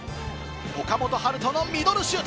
岡本温叶のミドルシュート。